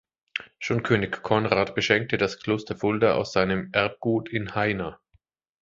Schon König Konrad beschenkte das Kloster Fulda aus seinem Erbgut in Haina.